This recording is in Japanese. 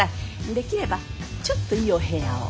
できればちょっといいお部屋を。